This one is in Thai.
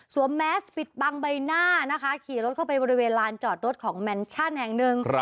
แมสปิดบังใบหน้านะคะขี่รถเข้าไปบริเวณลานจอดรถของแมนชั่นแห่งหนึ่ง